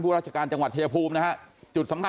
พ่อขออนุญาต